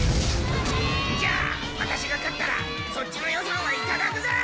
じゃあワタシが勝ったらそっちの予算はいただくぞ！